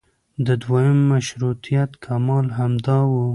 د دویم مشروطیت کمال همدا و.